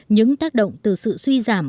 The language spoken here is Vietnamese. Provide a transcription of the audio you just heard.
những tác động từ sự suy giảm